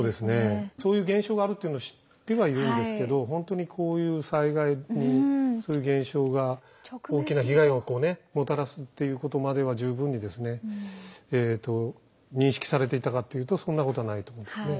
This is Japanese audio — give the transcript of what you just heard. そういう現象があるっていうのを知ってはいるんですけどほんとにこういう災害にそういう現象が大きな被害をこうねもたらすっていうことまでは十分に認識されていたかっていうとそんなことはないと思うんですね。